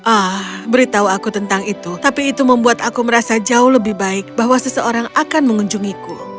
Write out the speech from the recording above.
ah beritahu aku tentang itu tapi itu membuat aku merasa jauh lebih baik bahwa seseorang akan mengunjungiku